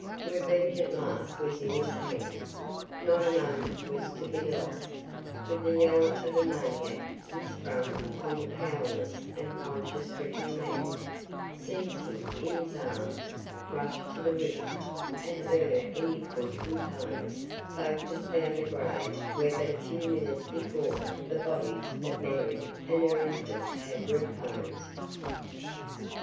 Revenge at last was in his hands not a moment was to be lost with the yell of a maniac he sprang upon the powerless and conscious stricken man seized him in his arms rushed to the river and ere any could interpose, both had found a grave where but a few minutes before the bodies of Mary and her infant had reposed.